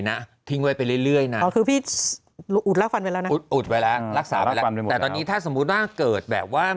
หุดอุดไปแล้วเรื่องรากฟันไปแล้วแต่ตอนนี้ถ้าสมมุติว่าเกิดแบบว่า